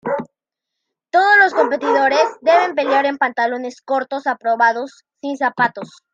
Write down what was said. Todos los competidores deben pelear en pantalones cortos aprobados, sin zapatos.